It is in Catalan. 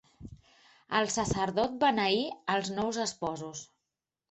El sacerdot beneí els nous esposos.